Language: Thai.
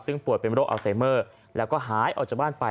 ซึ่งปวดเป็นโรคอัลไซเมอร์แล้วก็หายออกจากบ้านไป